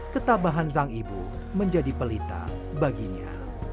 ketabahan sang ibu menjadi pelita baginya